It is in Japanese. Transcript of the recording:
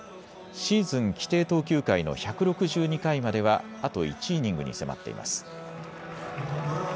シーズン規定投球回の１６２回まではあと１イニングに迫っています。